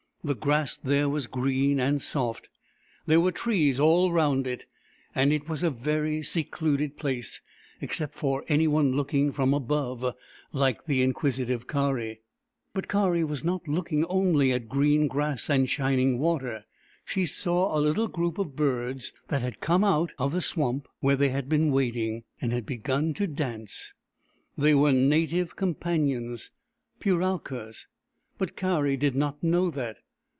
The grass there THE EMU WHO WOULD DANCE 67 was green and soft ; there were trees all round it, and it was a very secluded place, except for anyone looking from above, like the inquisitive Kari. But Kari was not looking only at green grass and shining water. She saw a little group of birds that had come out of the swamp, where they had been wading, and had begun to dance. They were Native Companions — Puralkas — but Kari did not know that.